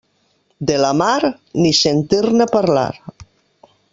De la mar, ni sentir-ne parlar.